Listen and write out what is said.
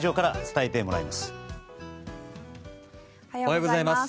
おはようございます。